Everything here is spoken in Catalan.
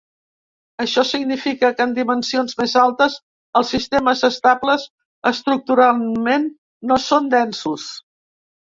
Això significa que, en dimensions més altes, els sistemes estables estructuralment no són densos.